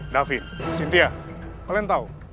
dapit sintia kalian tahu